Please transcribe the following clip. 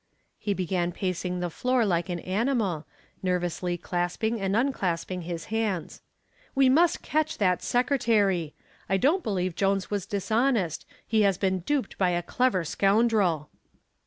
He began pacing the floor like an animal, nervously clasping and unclasping his hands. "We must catch that secretary! I don't believe Jones was dishonest. He has been duped by a clever scoundrel."